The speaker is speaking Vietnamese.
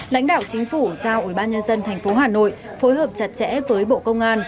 lãnh đạo chính phủ giao ủy ban nhân dân tp hà nội phối hợp chặt chẽ với bộ công an